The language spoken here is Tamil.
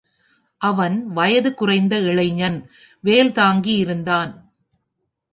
அவன் வயது குறைந்த இளைஞன், வேல் தாங்கி இருந்தான்.